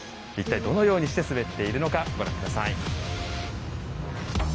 一体どのようにして滑っているのかご覧下さい。